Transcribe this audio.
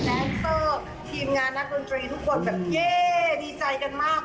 แนนเตอร์ทีมงานนักดนตรีทุกคนแบบเย่ดีใจกันมาก